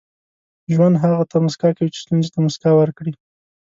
• ژوند هغه ته موسکا کوي چې ستونزې ته موسکا ورکړي.